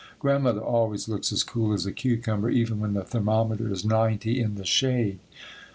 Grandmother always looks as cool as a cucumber even when the thermometer is 90 in the shade.